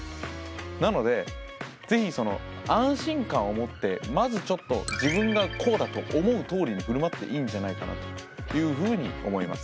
なので是非安心感を持ってまずちょっと自分がこうだと思うとおりに振る舞っていいんじゃないかというふうに思います。